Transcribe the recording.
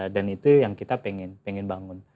dan itu yang kita pengen bangun